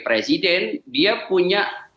presiden dia punya